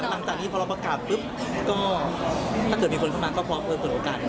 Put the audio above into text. อเจมส์หรือตอนนี้พอเราประกาศก็ถ้าเกิดมีคนเข้ามาก็พอเปิดโอกาสไง